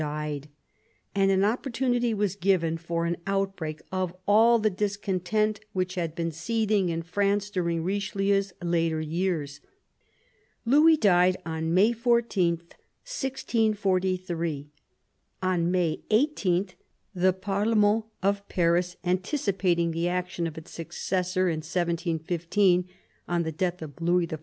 died, and an opportunity was given for an outbreak of all the discontent which had been seething in France during Richelieu's later years. Louis died on May 14, 1643; on May 18 the parlement of Paris, anticipating the action of its successor in 1715 on the death of Louis XIV.